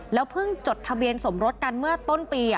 เพิ่งจดทะเบียนสมรสกันเมื่อต้นปี